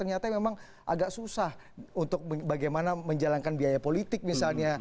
ternyata memang agak susah untuk bagaimana menjalankan biaya politik misalnya